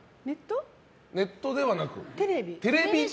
ネットではなく？